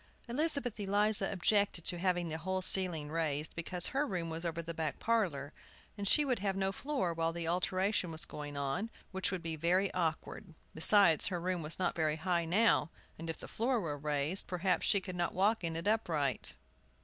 Elizabeth Eliza objected to having the whole ceiling raised, because her room was over the back parlor, and she would have no floor while the alteration was going on, which would be very awkward. Besides, her room was not very high now, and, if the floor were raised, perhaps she could not walk in it upright.